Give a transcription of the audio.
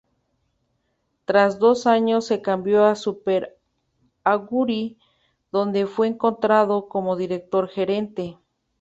Tras dos años se cambió a Super Aguri, donde fue contratado como director gerente.